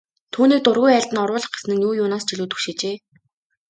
Түүнийг дургүй айлд нь оруулах гэсэн нь юу юунаас ч илүү түгшээжээ.